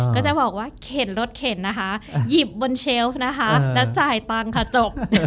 ก็จะบอกว่าเข็นรถเข็นนะคะหยิบบนเชลล์นะคะแล้วจ่ายตังค์ค่ะจบ